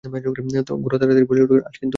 গোরা তাড়াতাড়ি বলিয়া উঠিল, আজ কিন্তু নয়।